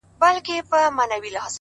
هغې ويل ه نور دي هيڅ په کار نه لرم _